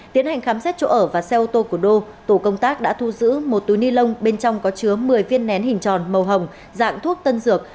tiến hành khám xét chỗ ở và xe ô tô của đô tổ công tác đã thu giữ một túi ni lông bên trong có chứa một mươi viên nén hình tròn màu hồng dạng thuốc tân dược